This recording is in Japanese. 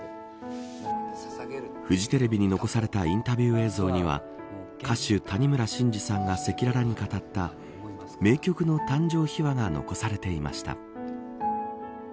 フジテレビに残されたインタビュー映像には歌手、谷村新司さんが赤裸々に語った名曲の誕生秘話が残されていました。